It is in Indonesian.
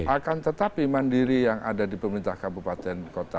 akan tetapi mandiri yang ada di pemerintah kabupaten kota